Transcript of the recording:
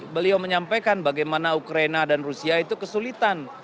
beliau menyampaikan bagaimana ukraina dan rusia itu kesulitan